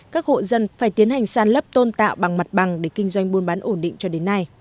các hộ dân phải tiến hành sàn lấp tôn tạo bằng mặt bằng để kinh doanh buôn bán ổn định cho đến nay